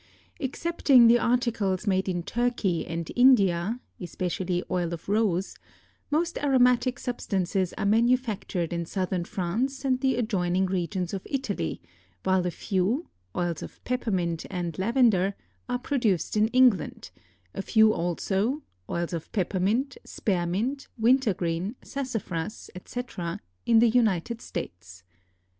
Excepting the articles made in Turkey and India (especially oil of rose), most aromatic substances are manufactured in southern France and the adjoining regions of Italy, while a few (oils of peppermint and lavender) are produced in England; a few also (oils of peppermint, spearmint, wintergreen, sassafras, etc.) in the United States.